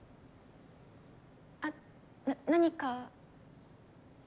あっな何か？